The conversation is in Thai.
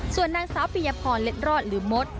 ส่วนนางสาวปียพรเล็ดรอดหรือมด